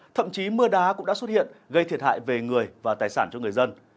thậm chí mưa đá cũng đã xuất hiện gây thiệt hại về người và tài sản cho người dân